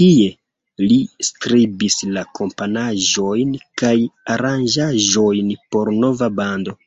Tie, li skribis la komponaĵojn kaj aranĝaĵojn por nova bando.